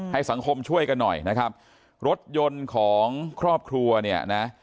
ให้สังคมช่วยกันหน่อยนะครับรถยนต์ของครอบครัวเนี่ยนะ